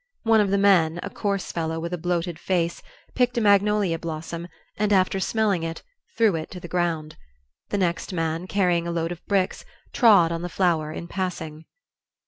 One of the men, a coarse fellow with a bloated face, picked a magnolia blossom and, after smelling it, threw it to the ground; the next man, carrying a load of bricks, trod on the flower in passing.